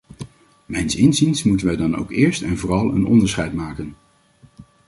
Mijns inziens moeten wij dan ook eerst en vooral een onderscheid maken.